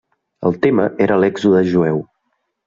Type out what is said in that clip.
El tema era l'Èxode jueu.